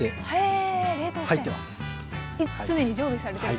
はい。